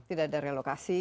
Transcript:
tidak ada relokasi